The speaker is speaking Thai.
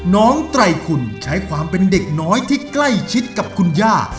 ไตรคุณใช้ความเป็นเด็กน้อยที่ใกล้ชิดกับคุณย่า